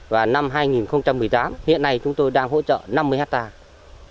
và năm hai nghìn một mươi tám hiện nay chúng tôi đang hỗ trợ năm mươi hectare